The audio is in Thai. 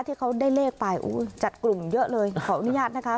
ที่เขาได้เลขไปจัดกลุ่มเยอะเลยขออนุญาตนะคะ